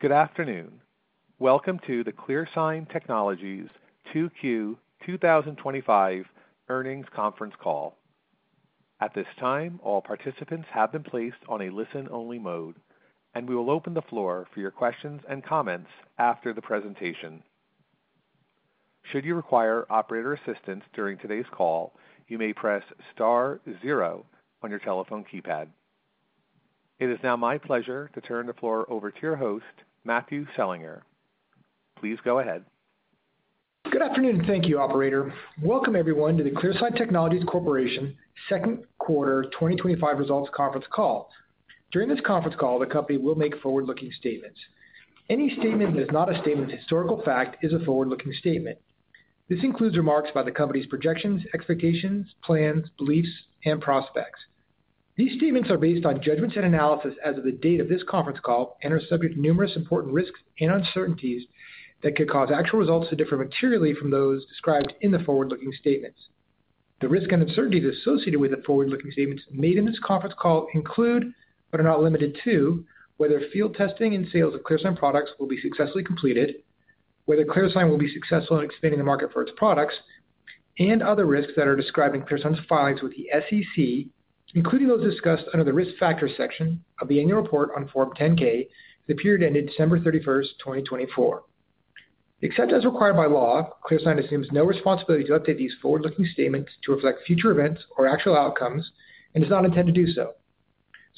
Good afternoon. Welcome to the ClearSign Technologies Corporation 2Q 2025 Earnings Conference Call. At this time, all participants have been placed on a listen-only mode, and we will open the floor for your questions and comments after the presentation. Should you require operator assistance during today's call, you may press *0 on your telephone keypad. It is now my pleasure to turn the floor over to your host, Matthew Selinger. Please go ahead. Good afternoon, and thank you, operator. Welcome everyone to the ClearSign Technologies Corporation second quarter 2025 results conference call. During this conference call, the company will make forward-looking statements. Any statement that is not a statement of historical fact is a forward-looking statement. This includes remarks about the company's projections, expectations, plans, beliefs, and prospects. These statements are based on judgments and analysis as of the date of this conference call and are subject to numerous important risks and uncertainties that could cause actual results to differ materially from those described in the forward-looking statements. The risks and uncertainties associated with the forward-looking statements made in this conference call include, but are not limited to, whether field testing and sales of ClearSign products will be successfully completed, whether ClearSign will be successful in expanding the market for its products, and other risks that are described in ClearSign's filings with the SEC, including those discussed under the risk factors section of the annual report on Form 10-K for the period ended December 31, 2024. Except as required by law, ClearSign assumes no responsibility to update these forward-looking statements to reflect future events or actual outcomes and does not intend to do so.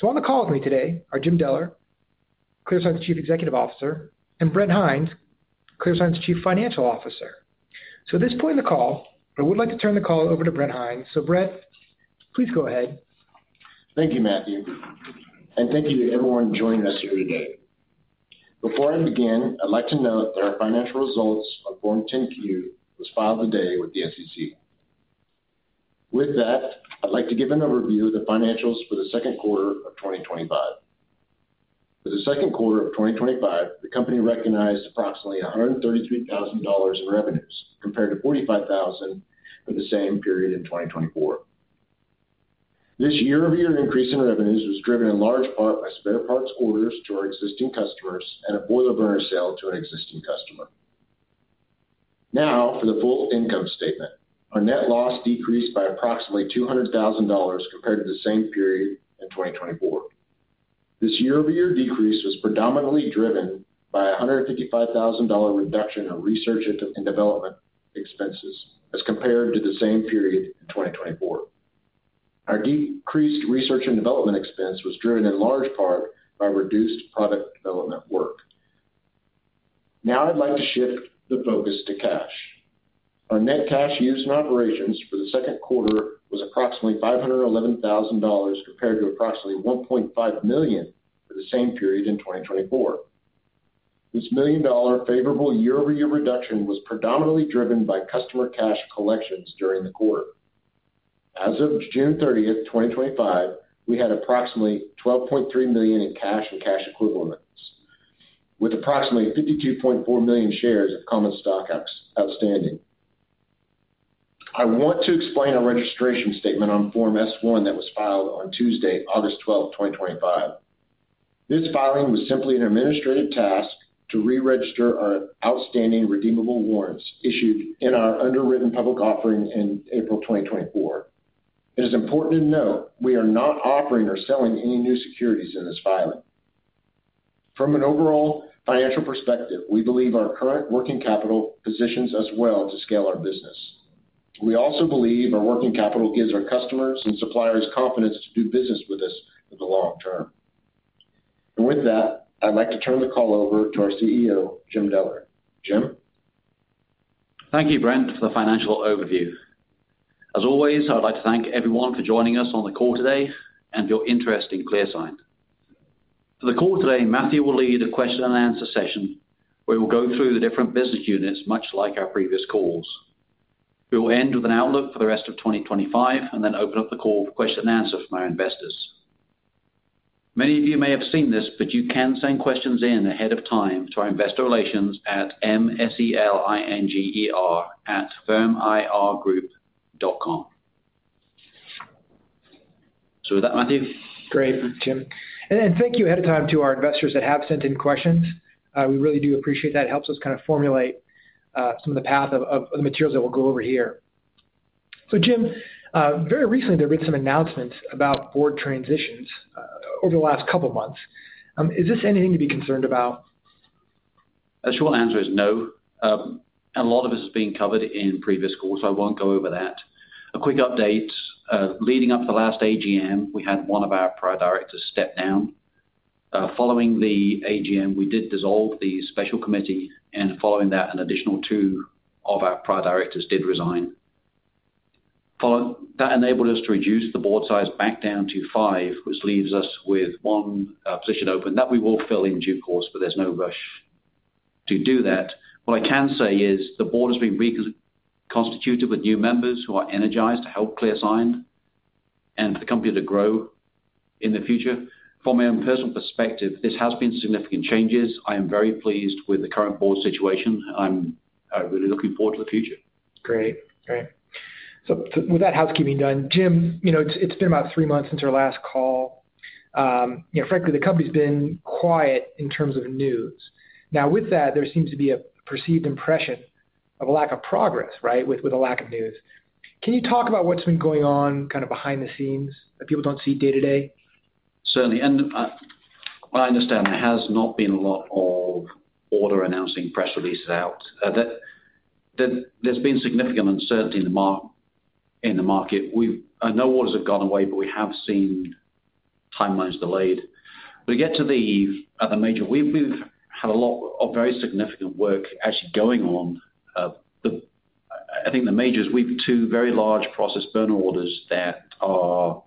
On the call with me today are Jim Deller, ClearSign's Chief Executive Officer, and Brent Hinds, ClearSign's Chief Financial Officer. At this point in the call, I would like to turn the call over to Brent Hinds. Brent, please go ahead. Thank you, Matthew, and thank you to everyone joining us here today. Before I begin, I'd like to note that our financial results for Form 10-Q were filed today with the SEC. With that, I'd like to give an overview of the financials for the second quarter of 2025. For the second quarter of 2025, the company recognized approximately $133,000 in revenues compared to $45,000 in the same period in 2024. This year-over-year increase in revenues was driven in large spare parts orders to our existing customers and a boiler burner sale to our existing customer. For the full income statement, our net loss decreased by approximately $200,000 compared to the same period in 2024. This year-over-year decrease was predominantly driven by a $155,000 reduction in R&D expenses as compared to the same period in 2024. Our decreased R&D expense was driven in large part by reduced product development work. I'd like to shift the focus to cash. Our net cash used in operations for the second quarter was approximately $511,000 compared to approximately $1.5 million for the same period in 2024. This million-dollar favorable year-over-year reduction was predominantly driven by customer cash collections during the quarter. As of June 30, 2025, we had approximately $12.3 million in cash and cash equivalents, with approximately 52.4 million shares of common stock outstanding. I want to explain our registration statement on Form S-1 that was filed on Tuesday, August 12, 2025. This filing was simply an administrative task to re-register our outstanding redeemable warrants issued in our underwritten public offering in April 2024. It is important to note we are not offering or selling any new securities in this filing. From an overall financial perspective, we believe our current working capital positions us well to scale our business. We also believe our working capital gives our customers and suppliers confidence to do business with us in the long term. With that, I'd like to turn the call over to our CEO, Jim Deller. Jim? Thank you, Brent, for the financial overview. As always, I'd like to thank everyone for joining us on the call today and your interest in ClearSign. For the call today, Matthew will lead a question and answer session where we will go through the different business units, much like our previous calls. We will end with an outlook for the rest of 2025 and then open up the call for question and answer from our investors. Many of you may have seen this, but you can send questions in ahead of time to our investor relations at mselinger@firm-ir-group.com. With that, Matthew? Great, Jim. Thank you ahead of time to our investors that have sent in questions. We really do appreciate that. It helps us kind of formulate some of the path of the materials that we'll go over here. Jim, very recently there have been some announcements about board transitions over the last couple of months. Is this anything to be concerned about? The short answer is no. A lot of this has been covered in previous calls, so I won't go over that. A quick update, leading up to the last AGM, we had one of our prior directors step down. Following the AGM, we did dissolve the special committee, and following that, an additional two of our prior directors did resign. That enabled us to reduce the board size back down to five, which leaves us with one position open that we will fill in due course, but there's no rush to do that. What I can say is the board has been reconstituted with new members who are energized to help ClearSign and the company to grow in the future. From my own personal perspective, this has been significant changes. I am very pleased with the current board situation. I'm really looking forward to the future. Great. With that housekeeping done, Jim, it's been about three months since our last call. Frankly, the company's been quiet in terms of news. With that, there seems to be a perceived impression of a lack of progress, right, with a lack of news. Can you talk about what's been going on kind of behind the scenes that people don't see day to day? Certainly. I understand there has not been a lot of order announcing press releases out. There has been significant uncertainty in the market. I know orders have gone away, but we have seen timelines delayed. We get to the other major. We have had a lot of very significant work actually going on. I think the majors, we have two very large process burner orders that are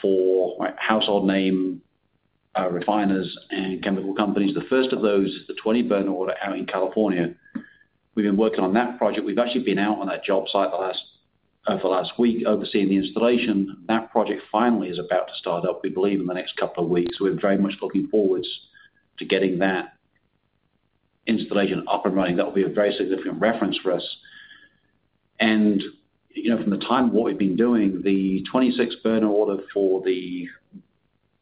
for household name refiners and chemical companies. The first of those, the 20 burner order out in California, we have been working on that project. We have actually been out on that job site over the last week overseeing the installation. That project finally is about to start up, we believe, in the next couple of weeks. We are very much looking forward to getting that installation up and running. That will be a very significant reference for us. From the time of what we have been doing, the 26 burner order for the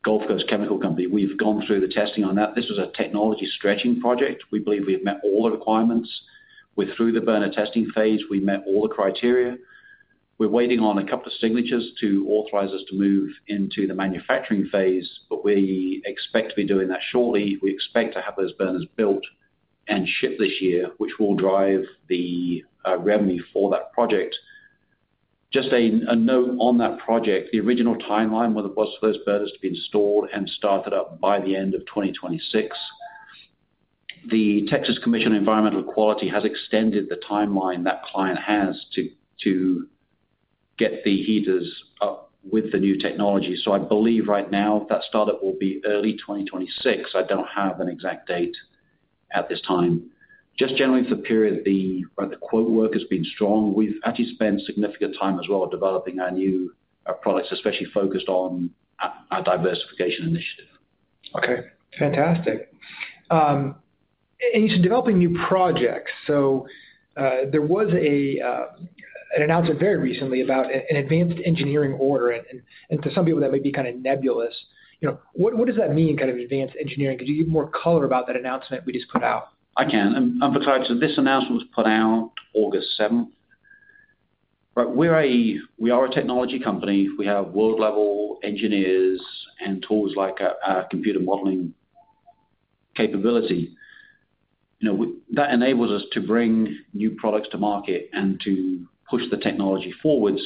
Gulf Coast chemical company, we have gone through the testing on that. This was a technology stretching project. We believe we have met all the requirements. We are through the burner testing phase. We met all the criteria. We are waiting on a couple of signatures to authorize us to move into the manufacturing phase, but we expect to be doing that shortly. We expect to have those burners built and shipped this year, which will drive the revenue for that project. Just a note on that project, the original timeline was for those burners to be installed and started up by the end of 2026. The Texas Commission on Environmental Quality has extended the timeline that client has to get the heaters up with the new technology. I believe right now that startup will be early 2026. I do not have an exact date at this time. Generally for the period, the quote work has been strong. We have actually spent significant time as well developing our new products, especially focused on our diversification initiative. Okay. Fantastic. You said developing new projects. There was an announcement very recently about an advanced engineering order. To some people, that might be kind of nebulous. You know, what does that mean, kind of advanced engineering? Could you give more color about that announcement we just put out? I can. For title, this announcement was put out August 7th. Right. We are a technology company. We have world-level engineers and tools like a computer modeling capability that enables us to bring new products to market and to push the technology forwards.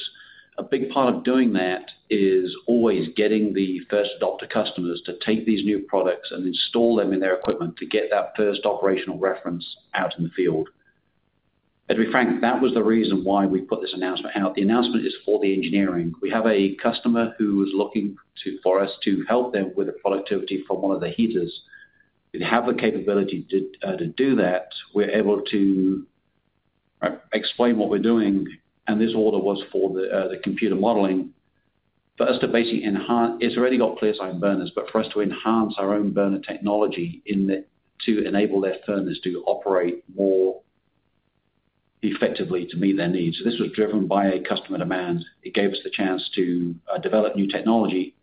A big part of doing that is always getting the first adopter customers to take these new products and install them in their equipment to get that first operational reference out in the field. To be frank, that was the reason why we put this announcement out. The announcement is for the engineering. We have a customer who is looking for us to help them with the productivity from one of the heaters. We have the capability to do that. We're able to explain what we're doing. This order was for the computer modeling for us to basically enhance, it's already got ClearSign burners, but for us to enhance our own burner technology to enable their furnaces to operate more effectively to meet their needs. This was driven by a customer demand. It gave us the chance to develop new technology.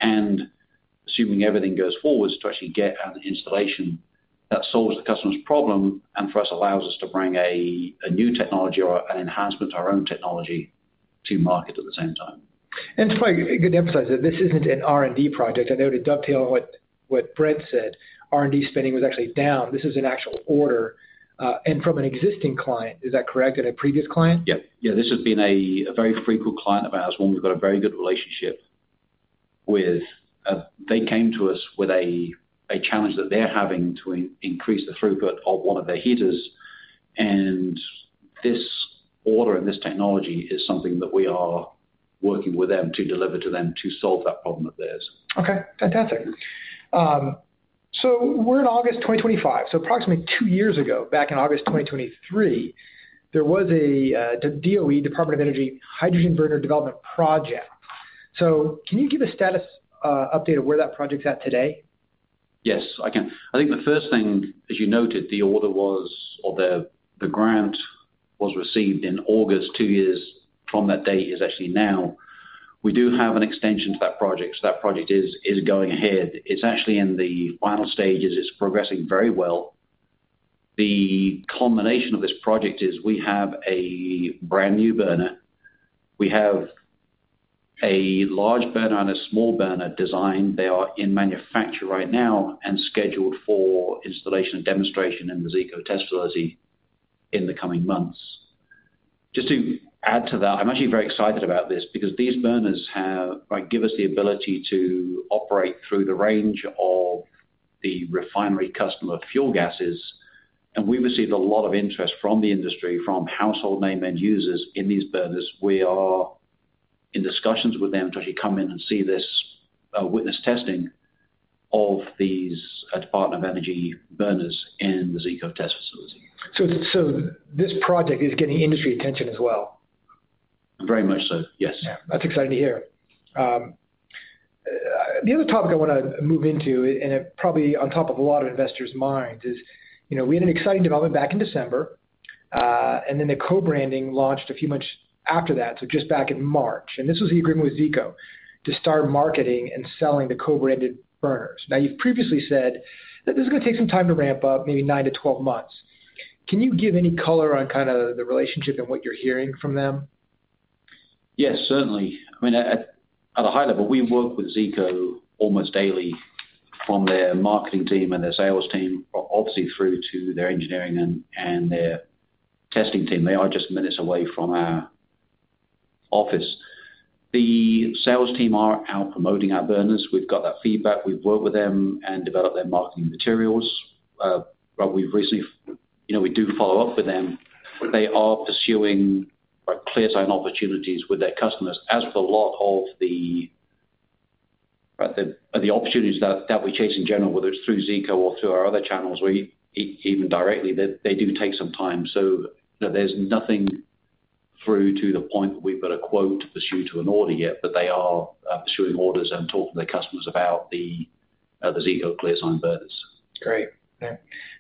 Assuming everything goes forward, to actually get an installation that solves the customer's problem, and for us, allows us to bring a new technology or an enhancement to our own technology to market at the same time. It is probably good to emphasize that this isn't an R&D project. I know, to dovetail on what Brent said, R&D spending was actually down. This is an actual order from an existing client, is that correct, and a previous client? Yeah. This has been a very frequent client of ours that we've got a very good relationship with. They came to us with a challenge that they're having to increase the throughput of one of their heaters. This order and this technology is something that we are working with them to deliver to them to solve that problem of theirs. Okay. Fantastic. We're in August 2025. Approximately two years ago, back in August 2023, there was a U.S. Department of Energy hydrogen burner development project. Can you give a status update of where that project's at today? Yes, I can. I think the first thing, as you noted, the order was, or the grant was received in August. Two years from that date is actually now. We do have an extension to that project. That project is going ahead. It's actually in the final stages. It's progressing very well. The culmination of this project is we have a brand new burner. We have a large burner and a small burner designed. They are in manufacture right now and scheduled for installation and demonstration in the Zeeco test facility in the coming months. Just to add to that, I'm actually very excited about this because these burners give us the ability to operate through the range of the refinery customer fuel gases. We've received a lot of interest from the industry, from household name end users in these burners. We are in discussions with them to actually come in and see this witness testing of these Department of Energy burners in the Zeeco test facility. This project is getting industry attention as well. Very much so, yes. Yeah. That's exciting to hear. The other topic I want to move into, and it probably on top of a lot of investors' minds, is you know we had an exciting development back in December, and then the co-branding launched a few months after that, just back in March. This was the agreement with Zeeco to start marketing and selling the co-branded burners. Now, you've previously said that this is going to take some time to ramp up, maybe 9-12 months. Can you give any color on kind of the relationship and what you're hearing from them? Yes, certainly. I mean, at a high level, we work with Zeeco almost daily from their marketing team and their sales team, obviously through to their engineering and their testing team. They are just minutes away from our office. The sales team are out promoting our burners. We've got that feedback. We've worked with them and developed their marketing materials. We've recently, you know, we do follow up with them. They are pursuing ClearSign opportunities with their customers. As for a lot of the opportunities that we chase in general, whether it's through Zeeco or through our other channels, or even directly, they do take some time. There's nothing through to the point where we've got a quote to pursue to an order yet, but they are pursuing orders and talking to the customers about the Zeeco ClearSign burners. Great. Okay.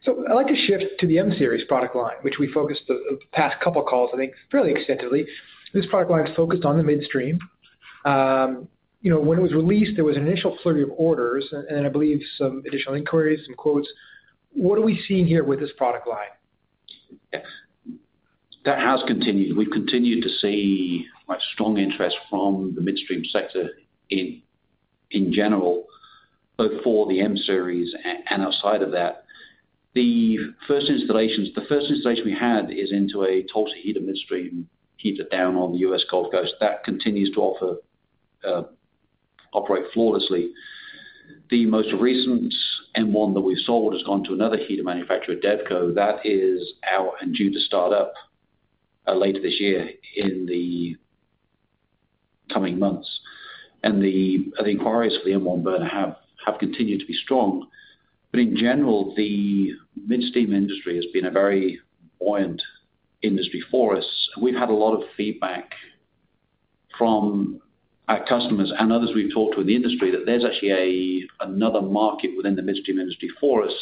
I'd like to shift to the M-Series product line, which we focused the past couple of calls, I think, fairly extensively. This product line is focused on the midstream. When it was released, there was an initial flurry of orders, and then I believe some additional inquiries and quotes. What are we seeing here with this product line? That has continued. We've continued to see strong interest from the midstream sector in general, both for the M-Series and outside of that. The first installation we had is into a Tulsa heater midstream heater down on the U.S. Gulf Coast. That continues to operate flawlessly. The most recent M1 that we've sold has gone to another heater manufacturer, Devco. That is due to start up later this year in the coming months. The inquiries for the M1 burner have continued to be strong. In general, the midstream industry has been a very buoyant industry for us. We've had a lot of feedback from our customers and others we've talked to in the industry that there's actually another market within the midstream industry for us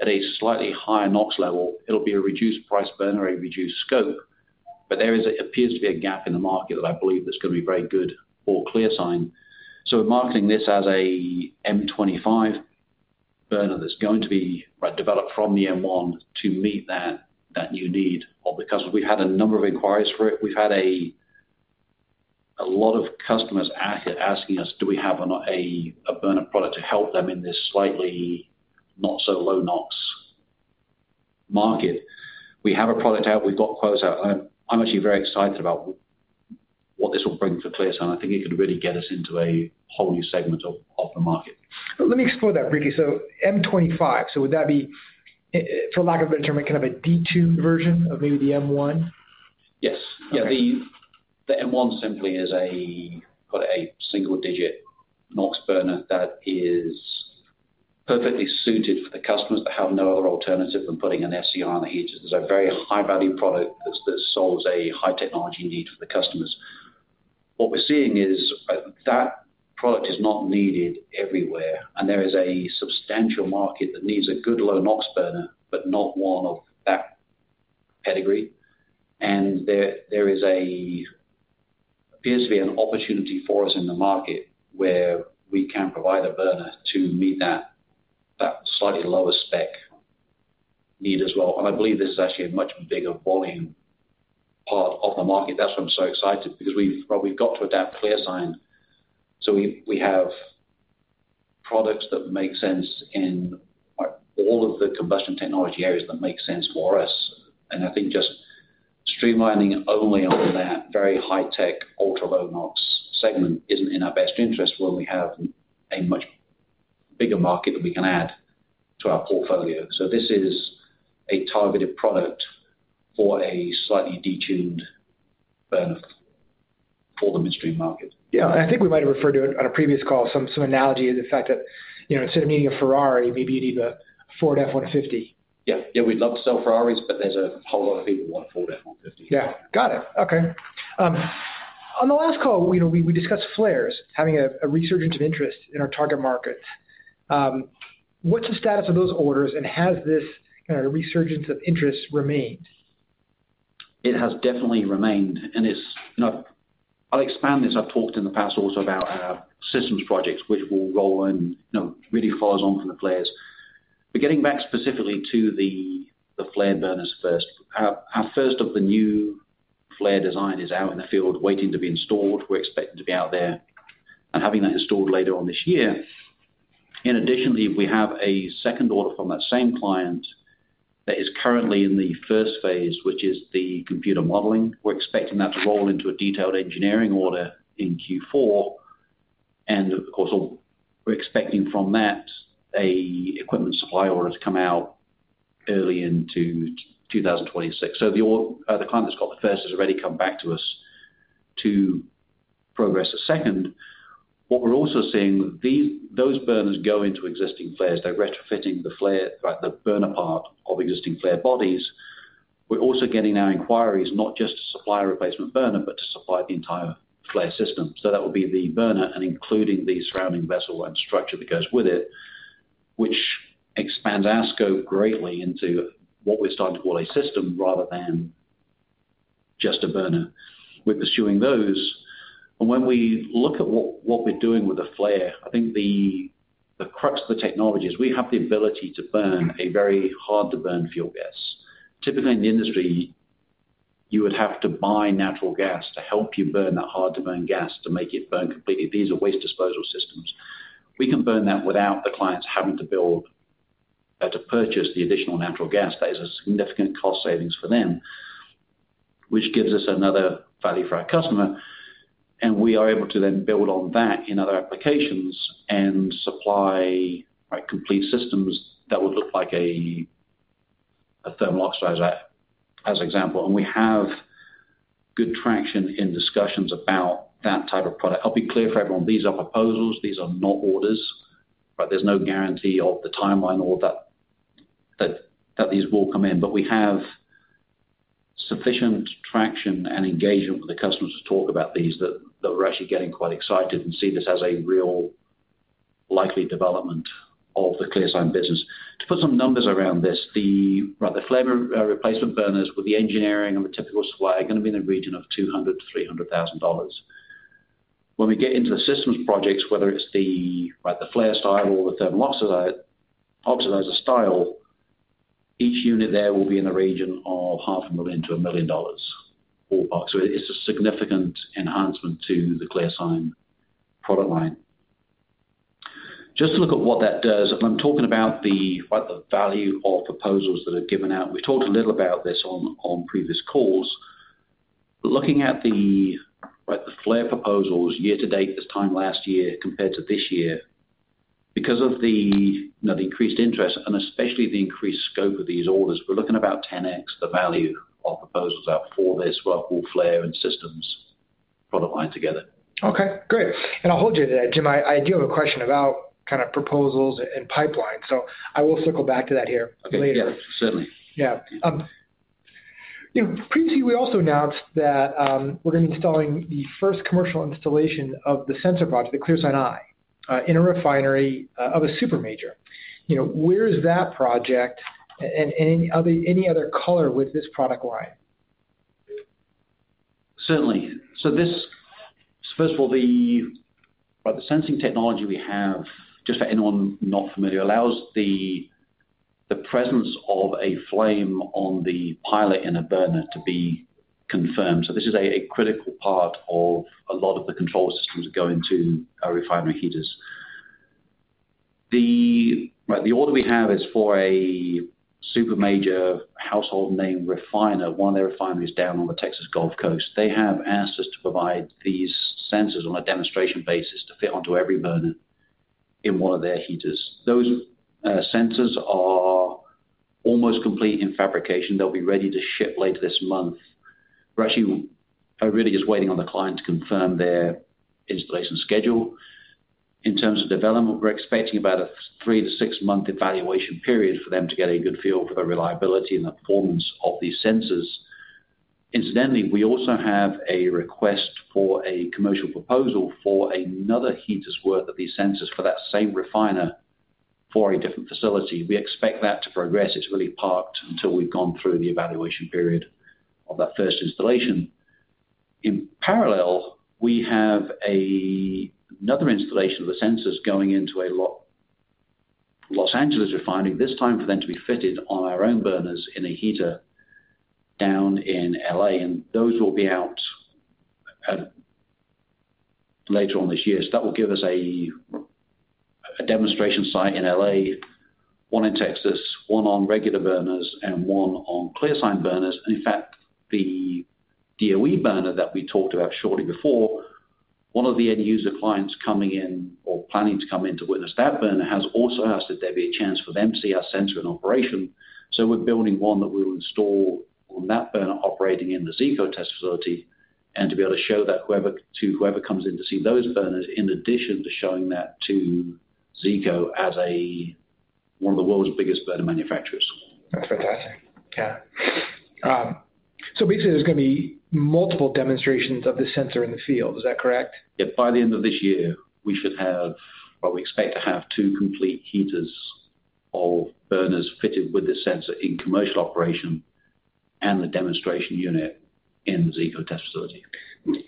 at a slightly higher NOx level. It'll be a reduced price burner, a reduced scope. There appears to be a gap in the market that I believe is going to be very good for ClearSign. We're marketing this as an M25 burner that's going to be developed from the M1 to meet that new need of the customers. We've had a number of inquiries for it. We've had a lot of customers asking us, do we have a burner product to help them in this slightly not-so-low NOx market? We have a product out. We've got quotes out. I'm actually very excited about what this will bring for ClearSign. I think it could really get us into a whole new segment of the market. Let me explore that briefly. M25, would that be, for lack of a better term, kind of a detuned version of maybe the M1? Yes. The M1 simply is a single-digit NOx burner that is perfectly suited for the customers that have no other alternative than putting an SCR on the heater. It's a very high-value product that solves a high-technology need for the customers. What we're seeing is that product is not needed everywhere, and there is a substantial market that needs a good low NOx burner, but not one of that pedigree. There appears to be an opportunity for us in the market where we can provide a burner to meet that slightly lower spec need as well. I believe this is actually a much bigger volume part of the market. That's why I'm so excited because we've got to adapt ClearSign. We have products that make sense in all of the combustion technology areas that make sense for us. I think just streamlining only of that very high-tech, ultra-low NOx segment isn't in our best interest when we have a much bigger market that we can add to our portfolio. This is a targeted product for a slightly detuned burner for the midstream market. Yeah, I think we might have referred to it on a previous call, some analogy of the fact that instead of needing a Ferrari, maybe you need a Ford F-150. Yeah, we'd love to sell Ferraris, but there's a whole lot of people who want a Ford F-150. Yeah. Got it. Okay. On the last call, we discussed flares having a resurgence of interest in our target markets. What's the status of those orders, and has this kind of resurgence of interest remained? It has definitely remained. It's not, I'll expand this. I've talked in the past also about our systems projects, which will roll in really fast onto the players. Getting back specifically to the flare burners first, our first of the new flare design is out in the field waiting to be installed. We're expecting to be out there and having that installed later on this year. In addition, we have a second order from that same client that is currently in the first phase, which is the computer modeling. We're expecting that to roll into a detailed engineering order in Q4. Of course, we're expecting from that an equipment supply order to come out early into 2026. The client that's got the first has already come back to us to progress the second. What we're also seeing is those burners go into existing flares. They're retrofitting the burner part of existing flare bodies. We're also getting our inquiries not just to supply a replacement burner, but to supply the entire flare system. That would be the burner and including the surrounding vessel and structure that goes with it, which expands our scope greatly into what we're starting to call a system rather than just a burner. We're pursuing those. When we look at what we're doing with the flare, I think the crux of the technology is we have the ability to burn a very hard-to-burn fuel gas. Typically, in the industry, you would have to buy natural gas to help you burn that hard-to-burn gas to make it burn completely. These are waste disposal systems. We can burn that without the clients having to purchase the additional natural gas. That is a significant cost savings for them, which gives us another value for our customer. We are able to then build on that in other applications and supply complete systems that would look like a thermal oxidizer as an example. We have good traction in discussions about that type of product. I'll be clear for everyone, these are proposals. These are not orders. There's no guarantee of the timeline or that these will come in. We have sufficient traction and engagement with the customers to talk about these that we're actually getting quite excited and see this as a real likely development of the ClearSign business. To put some numbers around this, the flare replacement burners with the engineering and the typical supply are going to be in the region of $200,000-$300,000. When we get into the systems projects, whether it's the flare style or the thermal oxidizer style, each unit there will be in the region of $500,000-$1 million. It's a significant enhancement to the ClearSign product line. Just to look at what that does, and I'm talking about the value of proposals that are given out. We've talked a little about this on previous calls. Looking at the flare proposals year-to-date this time last year compared to this year, because of the increased interest and especially the increased scope of these orders, we're looking at about 10x the value of proposals out for this whole flare and systems product line together. Okay. Great. I'll hold you to that. Jim, I do have a question about kind of proposals and pipelines. I will circle back to that here later. Yeah, certainly. Yeah. You know, previously, we also announced that we're going to be installing the first commercial installation of the sensor project, the ClearSign Eye, in a refinery of a super major. You know, where is that project and any other color with this product line? Certainly. First of all, the sensing technology we have, just for anyone not familiar, allows the presence of a flame on the pilot in a burner to be confirmed. This is a critical part of a lot of the control systems that go into refinery heaters. The order we have is for a super major household name refiner, one of their refineries down on the Texas Gulf Coast. They have asked us to provide these sensors on a demonstration basis to fit onto every burner in one of their heaters. Those sensors are almost complete in fabrication. They'll be ready to ship later this month. We're actually really just waiting on the client to confirm their installation schedule. In terms of development, we're expecting about a three to six-month evaluation period for them to get a good feel for the reliability and the performance of these sensors. Incidentally, we also have a request for a commercial proposal for another heater's worth of these sensors for that same refiner for a different facility. We expect that to progress. It's really parked until we've gone through the evaluation period of that first installation. In parallel, we have another installation of the sensors going into a Los Angeles refining, this time for them to be fitted on our own burners in a heater down in LA. Those will be out later on this year. That will give us a demonstration site in LA, one in Texas, one on regular burners, and one on ClearSign burners. In fact, the DOE burner that we talked about shortly before, one of the end user clients coming in or planning to come in to witness that burner has also asked that there be a chance for them to see our sensor in operation. We're building one that we'll install on that burner operating in the Zeeco test facility and to be able to show that to whoever comes in to see those burners, in addition to showing that to Zeeco as one of the world's biggest burner manufacturers. That's fantastic. Yeah, basically, there's going to be multiple demonstrations of the sensor in the field. Is that correct? By the end of this year, we should have, or we expect to have, two complete heaters of burners fitted with this sensor in commercial operation and the demonstration unit in the Zeeco test facility.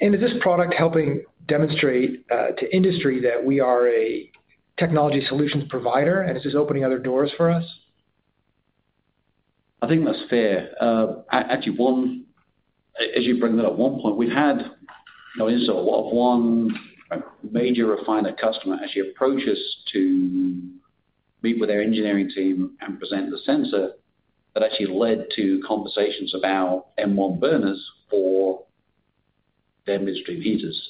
Is this product helping demonstrate to industry that we are a technology solutions provider, and is this opening other doors for us? I think that's fair. Actually, as you bring that up, one point, we've had one major refiner customer actually approach us to meet with their engineering team and present the sensor that actually led to conversations about M1 burners for their midstream heaters.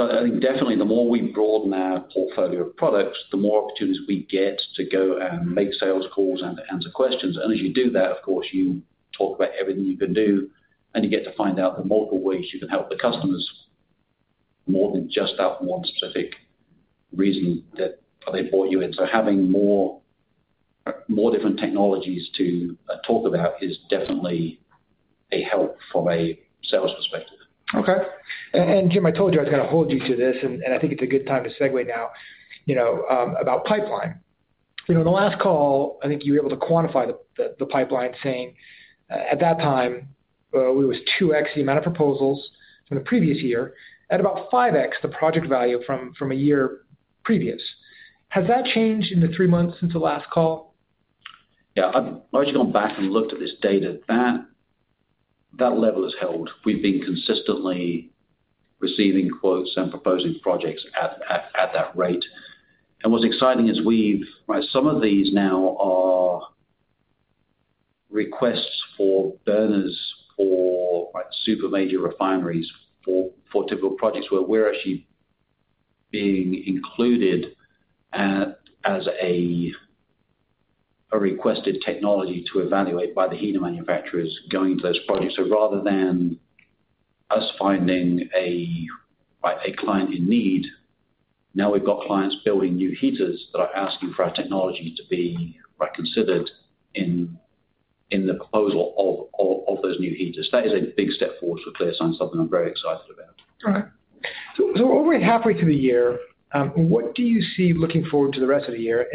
I think definitely the more we broaden our portfolio of products, the more opportunities we get to go and make sales calls and to answer questions. As you do that, of course, you talk about everything you can do and you get to find out the multiple ways you can help the customers more than just from one specific reason that they brought you in. Having more different technologies to talk about is definitely a help from a sales perspective. Okay. Jim, I told you I was going to hold you to this, and I think it's a good time to segue now about pipeline. In the last call, I think you were able to quantify the pipeline saying at that time it was 2x the amount of proposals from the previous year at about 5x the project value from a year previous. Has that changed in the three months since the last call? Yeah. I've actually gone back and looked at this data. That level is held. We've been consistently receiving quotes and proposing projects at that rate. What's exciting is some of these now are requests for burners for super major refineries for typical projects where we're actually being included as a requested technology to evaluate by the heater manufacturers going to those projects. Rather than us finding a client in need, now we've got clients building new heaters that are asking for our technology to be considered in the proposal of those new heaters. That is a big step forward for ClearSign, something I'm very excited about. All right. We're halfway through the year. What do you see looking forward to the rest of the year?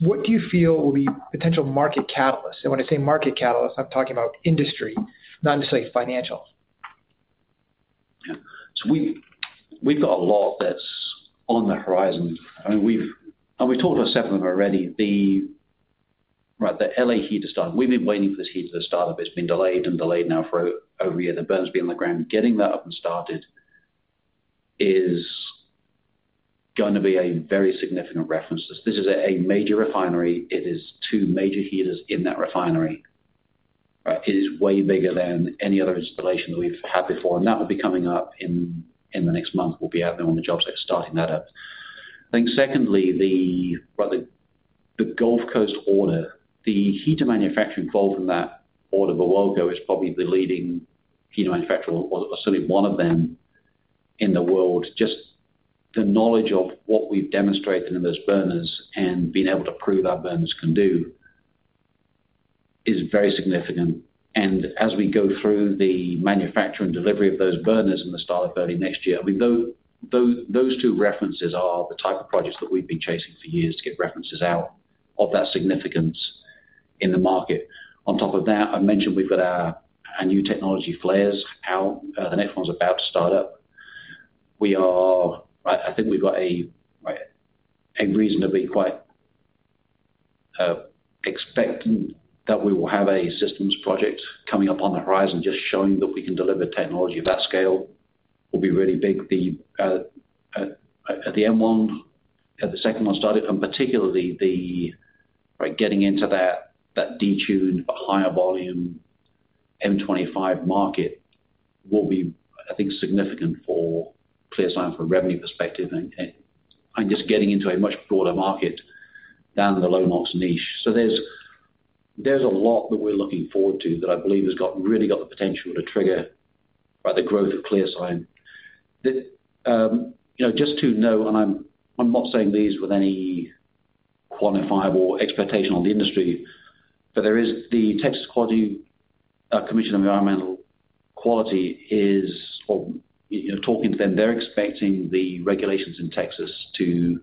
What do you feel will be potential market catalysts? When I say market catalysts, I'm talking about industry, not necessarily financial. We've got a lot that's on the horizon. I mean, we've talked to several of them already. The LA heater startup, we've been waiting for this heater to start-up. It's been delayed and delayed now for over a year. The burner's been on the ground. Getting that up and started is going to be a very significant reference. This is a major refinery. It is two major heaters in that refinery. It is way bigger than any other installation that we've had before, and that will be coming up in the next month. We'll be out there on the job there starting that up. I think secondly, the Gulf Coast order, the heater manufacturer involved in that order of a while ago is probably the leading heater manufacturer or certainly one of them in the world. Just the knowledge of what we've demonstrated in those burners and being able to prove our burners can do is very significant. As we go through the manufacturing delivery of those burners in the startup early next year, those two references are the type of projects that we've been chasing for years to get references out of that significance in the market. On top of that, I mentioned we've got our new technology flares out. The next one's about to start up. I think we've got a reason to be quite expecting that we will have a systems project coming up on the horizon. Just showing that we can deliver technology of that scale will be really big. The M1, the second one started, and particularly the getting into that detuned higher volume M25 market will be, I think, significant for ClearSign from a revenue perspective and just getting into a much broader market than the low NOx niche. There's a lot that we're looking forward to that I believe has really got the potential to trigger the growth of ClearSign. Just to know, and I'm not saying these with any quantifiable expectation on the industry, but there is the Texas Commission on Environmental Quality is talking to them. They're expecting the regulations in Texas to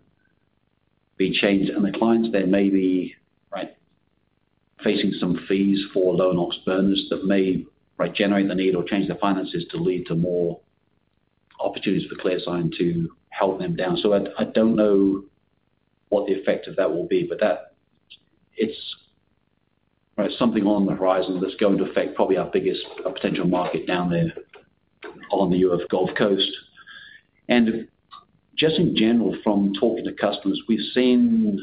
be changed, and the clients there may be facing some fees for low NOx burners that may generate the need or change their finances to lead to more opportunities for ClearSign to help them down. I don't know what the effect of that will be, but it's something on the horizon that's going to affect probably our biggest potential market down there on the U.S. Gulf Coast. In general, from talking to customers, we've seen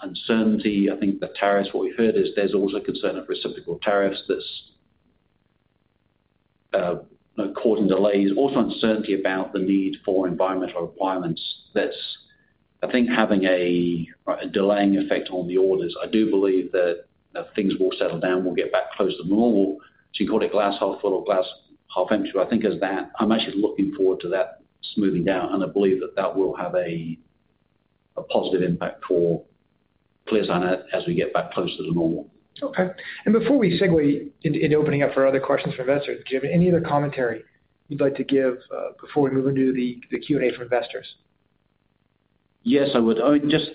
uncertainty. I think the tariffs, what we've heard is there's also a concern of reciprocal tariffs that's causing delays, also uncertainty about the need for environmental requirements that's having a delaying effect on the orders. I do believe that things will settle down. We'll get back close to the normal. To call it glass half full or glass half empty, but I think it's that. I'm actually looking forward to that smoothing down, and I believe that that will have a positive impact for ClearSign as we get back close to the normal. Okay. Before we segue into opening up for other questions from investors, do you have any other commentary you'd like to give before we move into the Q&A for investors? Yes, I would. I mean, just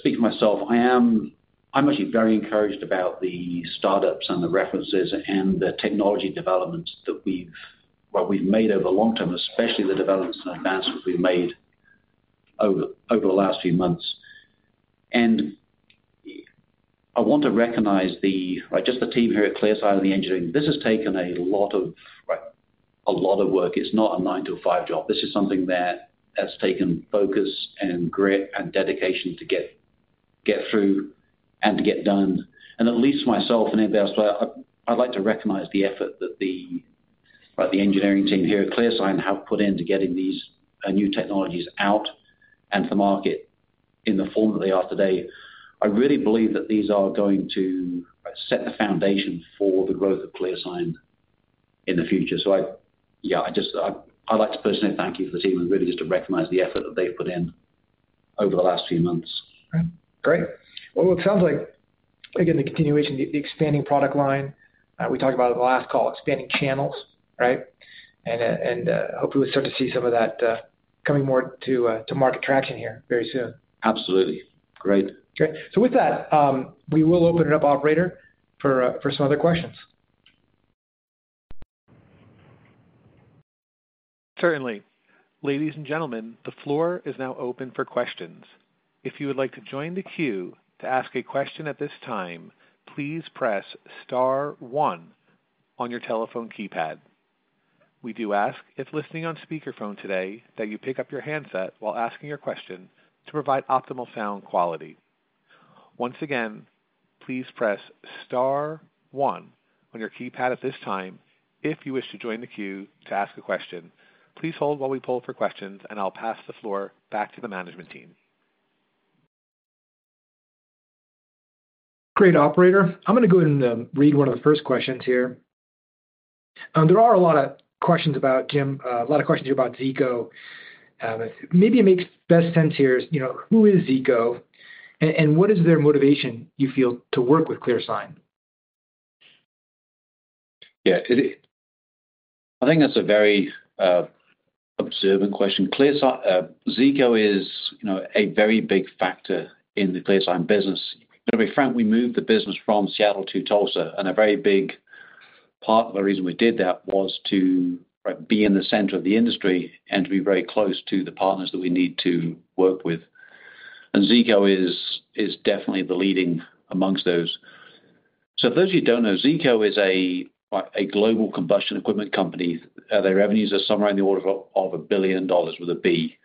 speaking for myself, I am actually very encouraged about the startups and the references and the technology developments that we've made over the long term, especially the developments and advancements we've made over the last few months. I want to recognize just the team here at ClearSign and the engineering. This has taken a lot of work. It's not a nine-to-five job. This is something that has taken focus and dedication to get through and to get done. At least for myself and anybody else, I'd like to recognize the effort that the engineering team here at ClearSign have put into getting these new technologies out and to market in the form that they are today. I really believe that these are going to set the foundation for the growth of ClearSign in the future. I just I'd like to personally thank you for the team and really just to recognize the effort that they've put in over the last few months. Great. It sounds like, again, the continuation, the expanding product line. We talked about it at the last call, expanding channels, right? Hopefully, we'll start to see some of that coming more to market traction here very soon. Absolutely. Great. Great. With that, we will open it up, operator, for some other questions. Certainly. Ladies and gentlemen, the floor is now open for questions. If you would like to join the queue to ask a question at this time, please press star one on your telephone keypad. We do ask, if listening on speakerphone today, that you pick up your handset while asking your question to provide optimal sound quality. Once again, please press star one on your keypad at this time if you wish to join the queue to ask a question. Please hold while we pull for questions, and I'll pass the floor back to the management team. Great, operator. I'm going to go ahead and read one of the first questions here. There are a lot of questions about, Jim, a lot of questions here about Zeeco. Maybe it makes best sense here is, you know, who is Zeeco and what is their motivation, you feel, to work with ClearSign? Yeah. I think that's a very observant question. Zeeco is a very big factor in the ClearSign business. To be frank, we moved the business from Seattle to Tulsa, and a very big part of the reason we did that was to be in the center of the industry and to be very close to the partners that we need to work with. Zeeco is definitely the leading amongst those. For those of you who don't know, Zeeco is a global combustion equipment company. Their revenues are somewhere in the order of $1 billion with a B.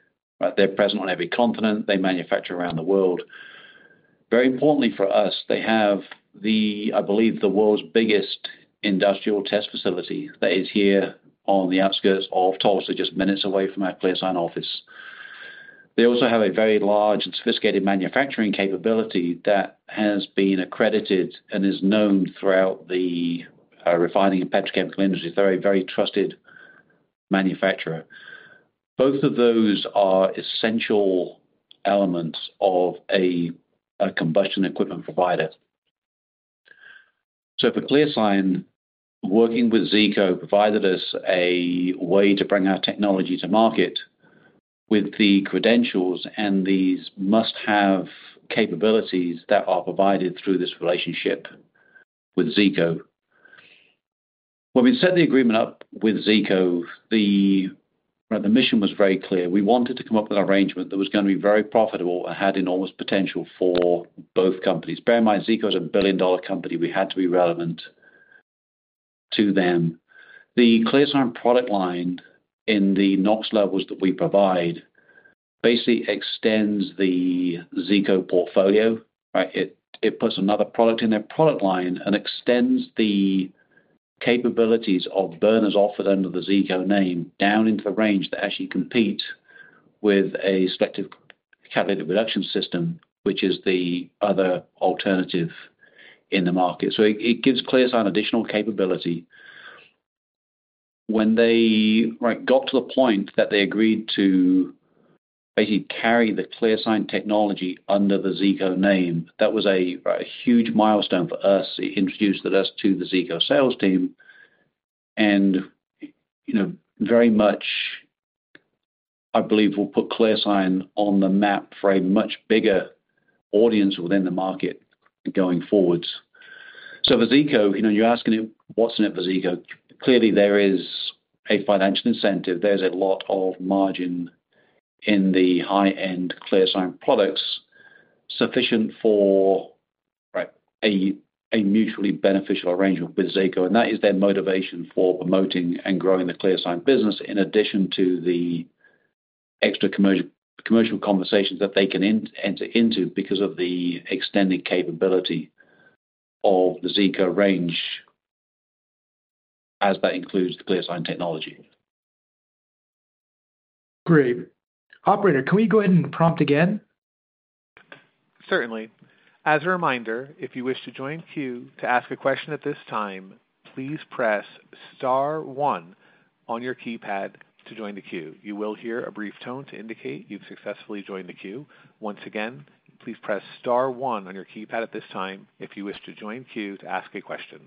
They're present on every continent. They manufacture around the world. Very importantly for us, they have, I believe, the world's biggest industrial test facility that is here on the outskirts of Tulsa, just minutes away from our ClearSign office. They also have a very large and sophisticated manufacturing capability that has been accredited and is known throughout the refining and petrochemical industry. They're a very trusted manufacturer. Both of those are essential elements of a combustion equipment provider. For ClearSign, working with Zeeco provided us a way to bring our technology to market with the credentials and these must-have capabilities that are provided through this relationship with Zeeco. When we set the agreement up with Zeeco, the mission was very clear. We wanted to come up with an arrangement that was going to be very profitable and had enormous potential for both companies. Bear in mind, Zeeco is a billion-dollar company. We had to be relevant to them. The ClearSign product line in the NOx levels that we provide basically extends the Zeeco portfolio. It puts another product in their product line and extends the capabilities of burners offered under the Zeeco name down into the range that actually compete with a selective catalytic reduction system, which is the other alternative in the market. It gives ClearSign additional capability. When they got to the point that they agreed to basically carry the ClearSign technology under the Zeeco name, that was a huge milestone for us. It introduced us to the Zeeco sales team and very much, I believe, will put ClearSign on the map for a much bigger audience within the market going forwards. For Zeeco, you're asking what's in it for Zeeco. Clearly, there is a financial incentive. There's a lot of margin in the high-end ClearSign products sufficient for a mutually beneficial arrangement with Zeeco. That is their motivation for promoting and growing the ClearSign business in addition to the extra commercial conversations that they can enter into because of the extended capability of the Zeeco range as that includes the ClearSign technology. Great. Operator, can we go ahead and prompt again? Certainly. As a reminder, if you wish to join the queue to ask a question at this time, please press star one on your keypad to join the queue. You will hear a brief tone to indicate you've successfully joined the queue. Once again, please press star one on your keypad at this time if you wish to join the queue to ask a question.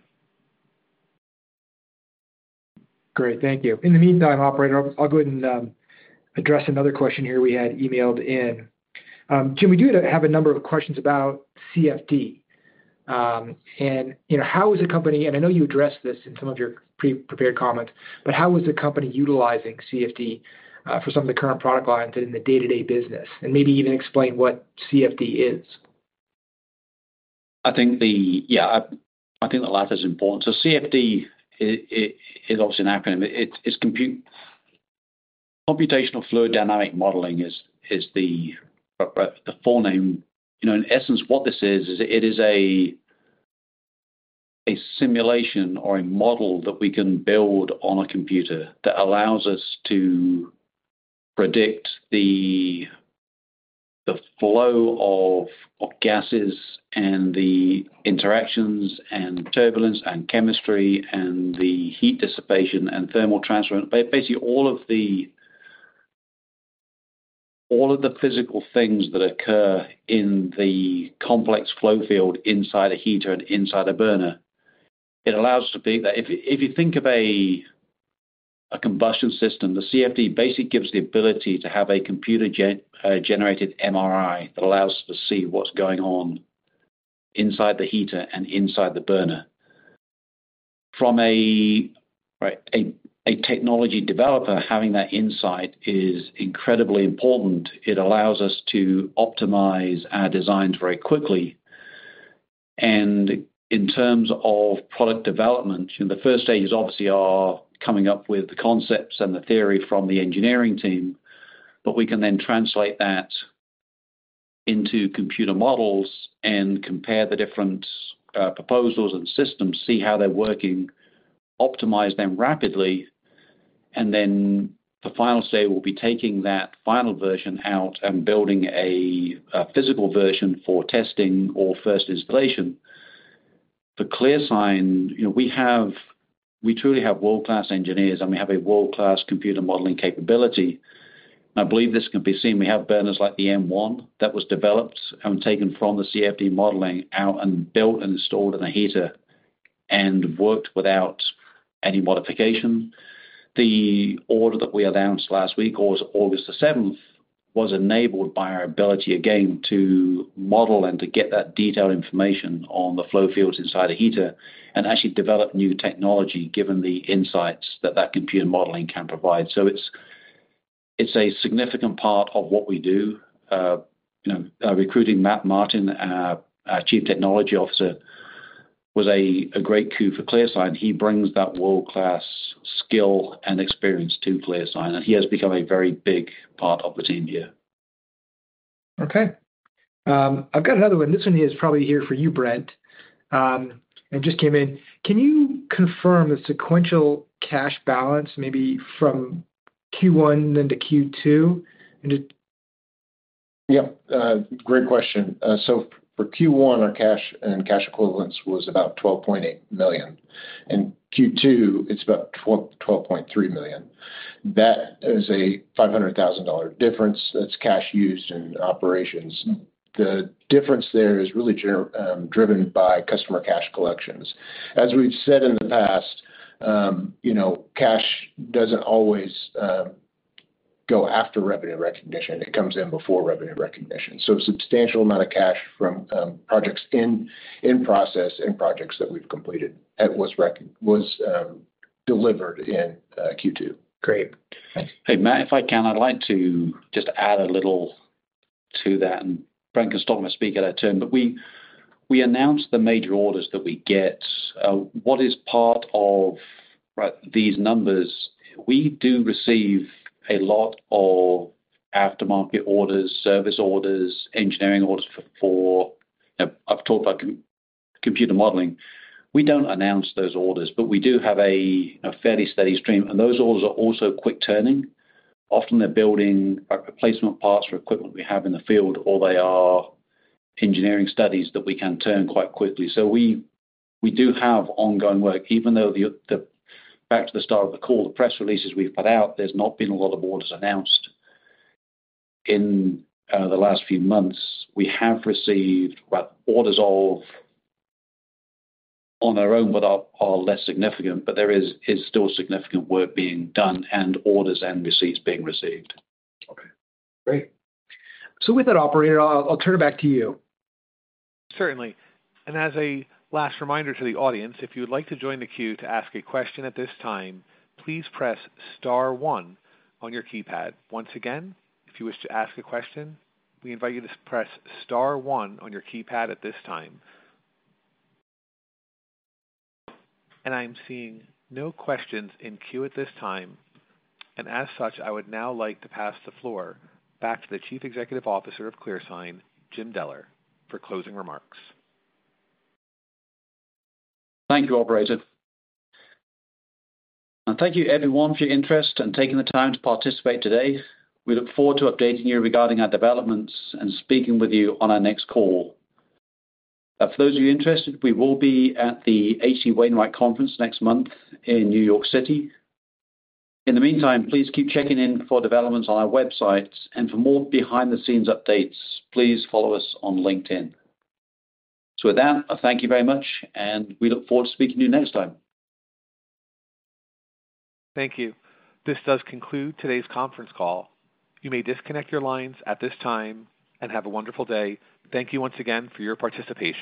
Great. Thank you. In the meantime, operator, I'll go ahead and address another question here we had emailed in. Jim, we do have a number of questions about CFD. How is the company, and I know you addressed this in some of your pre-prepared comments, but how is the company utilizing CFD for some of the current product lines in the day-to-day business? Maybe even explain what CFD is. I think the latter is important. CFD is obviously an acronym. It's Computational Fluid Dynamic Modeling, is the full name. In essence, what this is, is it is a simulation or a model that we can build on a computer that allows us to predict the flow of gases and the interactions and turbulence and chemistry and the heat dissipation and thermal transference, basically all of the physical things that occur in the complex flow field inside a heater and inside a burner. It allows us to predict that. If you think of a combustion system, the CFD basically gives the ability to have a computer-generated MRI that allows us to see what's going on inside the heater and inside the burner. From a technology developer, having that insight is incredibly important. It allows us to optimize our designs very quickly. In terms of product development, the first stages obviously are coming up with the concepts and the theory from the engineering team, but we can then translate that into computer models and compare the different proposals and systems, see how they're working, optimize them rapidly. The final stage will be taking that final version out and building a physical version for testing or first installation. For ClearSign, we truly have world-class engineers and we have a world-class computer modeling capability. I believe this can be seen. We have burners like the M1 that was developed and taken from the CFD modeling out and built and installed in a heater and worked without any modification. The order that we announced last week, August 7, was enabled by our ability, again, to model and to get that detailed information on the flow fields inside a heater and actually develop new technology given the insights that that computer modeling can provide. It is a significant part of what we do. Recruiting Matt Martin, our Chief Technology Officer, was a great cue for ClearSign. He brings that world-class skill and experience to ClearSign, and he has become a very big part of the team here. Okay. I've got another one. This one is probably for you, Brent, and just came in. Can you confirm the sequential cash balance, maybe from Q1 to Q2? Yeah. Great question. For Q1, our cash and cash equivalents was about $12.8 million. In Q2, it's about $12.3 million. That is a $500,000 difference that's cash used in operations. The difference there is really driven by customer cash collections. As we've said in the past, you know, cash doesn't always go after revenue recognition. It comes in before revenue recognition. A substantial amount of cash from projects in process and projects that we've completed was delivered in Q2. Great. Hey, Matt, if I can, I'd like to just add a little to that. Brent can speak at that turn, but we announced the major orders that we get. What is part of these numbers? We do receive a lot of aftermarket orders, service orders, engineering orders for, you know, I've talked about computer modeling. We don't announce those orders, but we do have a fairly steady stream. Those orders are also quick turning. Often, they're building replacement parts for equipment we have in the field, or they are engineering studies that we can turn quite quickly. We do have ongoing work. Even though, back to the start of the call, the press releases we've put out, there's not been a lot of orders announced in the last few months. We have received orders on our own that are less significant. There is still significant work being done and orders and receipts being received. Great. With that, operator, I'll turn it back to you. Certainly. As a last reminder to the audience, if you would like to join the queue to ask a question at this time, please press star one on your keypad. Once again, if you wish to ask a question, we invite you to press star one on your keypad at this time. I'm seeing no questions in queue at this time. As such, I would now like to pass the floor back to the Chief Executive Officer of ClearSign, Jim Deller, for closing remarks. Thank you, operator. Thank you, everyone, for your interest and taking the time to participate today. We look forward to updating you regarding our developments and speaking with you on our next call. For those of you interested, we will be at the H.C. Wainwright Conference next month in New York City. In the meantime, please keep checking in for developments on our website. For more behind-the-scenes updates, please follow us on LinkedIn. Thank you very much, and we look forward to speaking to you next time. Thank you. This does conclude today's conference call. You may disconnect your lines at this time and have a wonderful day. Thank you once again for your participation.